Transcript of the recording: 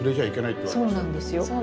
そうなんですよ。